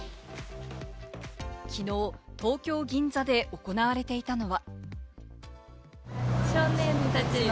きのう、東京・銀座で行われていたのは。